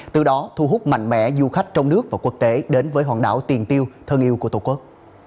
từ đó thu hút mạnh mẽ du khách trong nước và quốc tế đến với hòn đảo tiền tiêu thân yêu của tổ quốc